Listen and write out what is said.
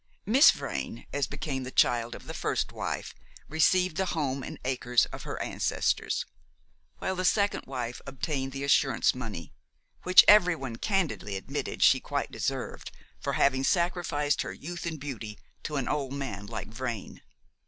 Miss Vrain, as became the child of the first wife, received the home and acres of her ancestors; while the second wife obtained the assurance money, which every one candidly admitted she quite deserved for having sacrificed her youth and beauty to an old man like Vrain.